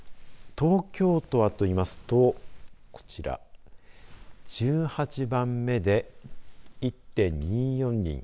東京都はと言いますとこちら１８番目で１．２４人